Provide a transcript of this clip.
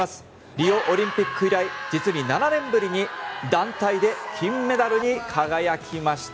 リオオリンピック以来実に７年ぶりに団体で金メダルに輝きました。